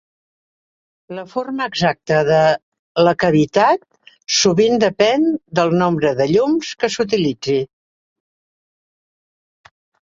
La forma exacta de la cavitat sovint depèn del nombre de llums que s'utilitzi.